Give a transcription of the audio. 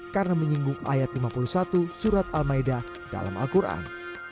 karena menyinggung ayat lima puluh satu surat al ma'idah dalam al quran